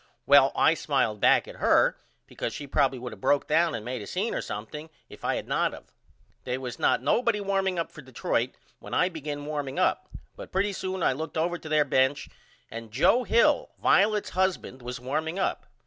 Well I smiled back at her because she probily would of broke down and made a seen or something if I had not of. They was not nobody warming up for Detroit when I begin warming up but pretty soon I looked over to their bench and Joe Hill Violet's husband was warming up.